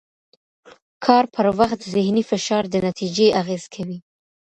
کار پر وخت ذهني فشار د نتیجې اغېز کوي.